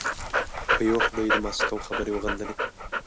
په یوه خوله د ماسکو خبرې وغندلې.